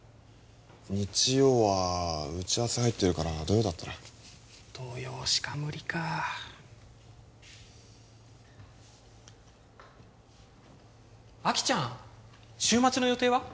日曜は打ち合わせ入ってるから土曜だったら土曜しか無理かあきちゃん週末の予定は？